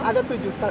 ada tujuh stasiun